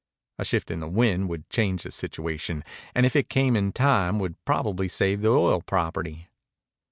A shift in the wind would change the situation, and if it came in time would probably save the oil property.